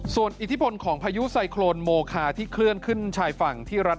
ส่วนอิทธิพลของพายุไซโครนโมคาที่เคลื่อนขึ้นชายฝั่งที่รัฐ